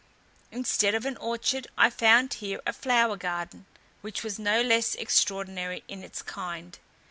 Instead of an orchard, I found here a flower garden, which was no less extraordinary in its kind.